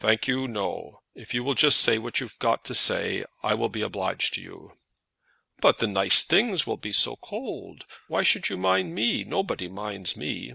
"Thank you, no; if you will just say what you have got to say, I will be obliged to you." "But the nice things will be so cold! Why should you mind me? Nobody minds me."